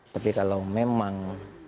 tapi kalau memang